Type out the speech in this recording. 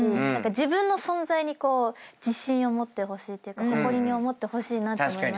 自分の存在に自信を持ってほしいっていうか誇りに思ってほしいなって思いましたね。